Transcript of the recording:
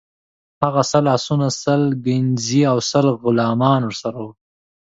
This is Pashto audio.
هغه سل آسونه، سل کنیزي او سل غلامان ورسره وه.